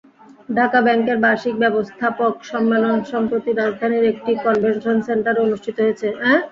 ঢাকা ব্যাংকের বার্ষিক ব্যবস্থাপক সম্মেলন সম্প্রতি রাজধানীর একটি কনভেনশন সেন্টারে অনুষ্ঠিত হয়েছে।